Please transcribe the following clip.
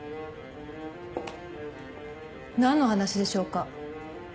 何の話でしょうか？